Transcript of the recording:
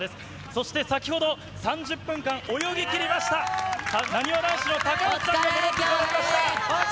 そして先ほど、３０分間泳ぎきりました、なにわ男子の高橋さんが戻ってこられました。